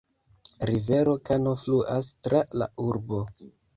Rivero Kano fluas tra la urbo.